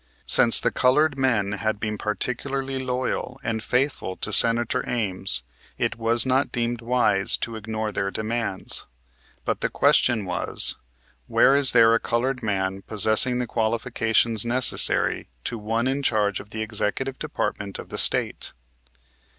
Since the colored men had been particularly loyal and faithful to Senator Ames it was not deemed wise to ignore their demands. But the question was, Where is there a colored man possessing the qualifications necessary to one in charge of the executive department of the state?